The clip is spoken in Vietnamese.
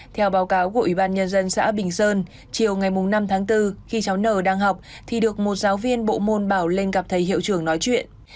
theo báo cáo của ủy ban nhân dân xã bình sơn chiều ngày năm tháng bốn khi cháu n đang học thì được một giáo viên bộ môn bảo lên gặp thầy hiệu trưởng nói chuyện